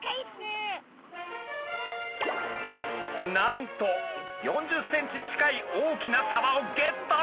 なんと４０センチ近い大きなサバをゲット。